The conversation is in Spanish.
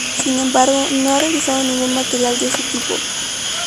Sin embargo, no ha realizado ningún material de ese tipo.